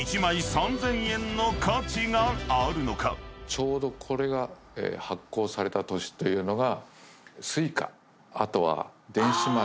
ちょうどこれが発行された年というのが。